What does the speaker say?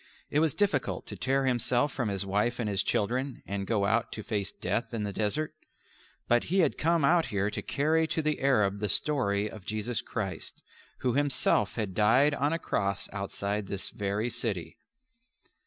It was difficult to tear himself from his wife and his children and go out to face death in the desert. But he had come out here to carry to the Arab the story of Jesus Christ, who Himself had died on a Cross outside this very city.